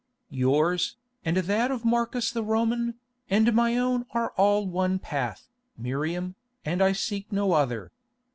"Yours, and that of Marcus the Roman, and my own are all one path, Miriam, and I seek no other.